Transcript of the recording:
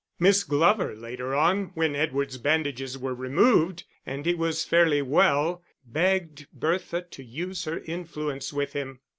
Miss Glover later on, when Edward's bandages were removed and he was fairly well, begged Bertha to use her influence with him.